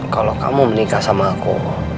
kalau kamu menikah sama aku